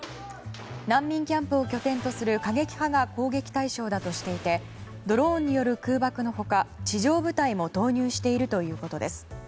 難民キャンプを拠点とする過激派が攻撃対象だとしていてドローンによる空爆の他地上部隊も投入しているということです。